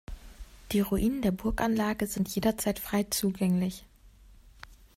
Die Ruinen der Burganlage sind jederzeit frei zugänglich.